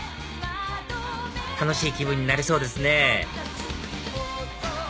楽しい気分になれそうですね